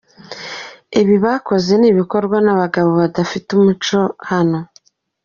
Ibi bakoze ni ibikorwa n’abagabo badafite umuco hano.